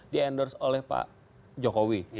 di endorse oleh pak jokowi